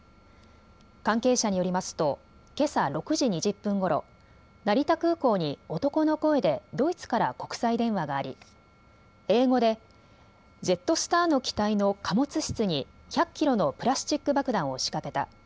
関係者によりますとけさ６時２０分ごろ、成田空港に男の声でドイツから国際電話があり、英語でジェットスターの機体の貨物室に１００キロのプラスチック爆弾を仕掛けた。